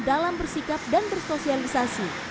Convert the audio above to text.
dalam bersikap dan bersosialisasi